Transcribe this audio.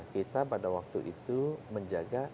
kita pada waktu itu menjaga